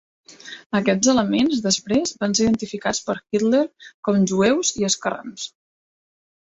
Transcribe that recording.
Aquests elements després van ser identificats per Hitler com jueus i esquerrans.